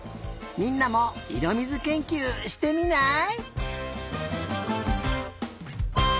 みんなもいろみずけんきゅうしてみない！？